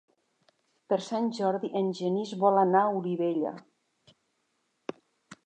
Per Sant Jordi en Genís vol anar a Olivella.